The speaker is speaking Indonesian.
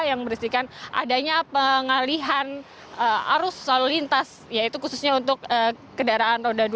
yang merisikkan adanya pengalihan arus selintas yaitu khususnya untuk kedaraan roda dua